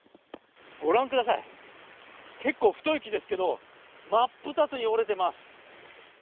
ご覧ください、結構太い木ですけれども、真っ二つに折れてます。